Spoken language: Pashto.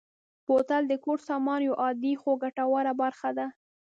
بوتل د کور سامان یوه عادي خو ګټوره برخه ده.